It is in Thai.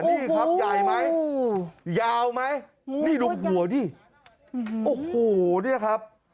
นี่ครับใหญ่ไหมยาวไหมนี่ดูหัวดิโอ้โหเนี่ยครับ